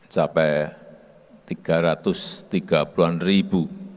sampai tiga ratus tiga puluh an ribu